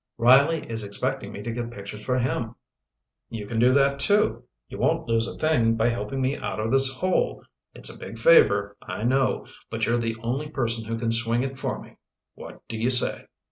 "Riley is expecting me to get pictures for him." "You can do that, too. You won't lose a thing by helping me out of this hole. It's a big favor, I know, but you're the only person who can swing it for me. What do you say?"